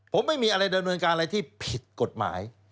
ผมไม่มีอะไรดำเนินการอะไรที่ผิดกฎหมาย